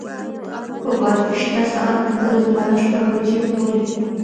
په بار کې شته ساعت پنځلس بالا شپږ بجې ښوولې.